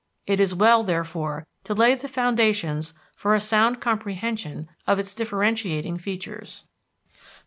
It is well, therefore, to lay the foundations for a sound comprehension of its differentiating features.